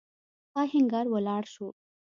آهنګر ولاړ شو.